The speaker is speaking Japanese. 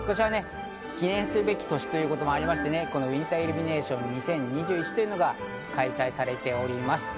記念すべき年ということもありまして、レオマウィンターイルミネーション２０２１が開催されております。